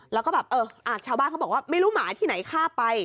แล้วก็แบบเออชาวบ้านเขาบอกว่าไม่รู้หมาที่ไหนฆ่าไป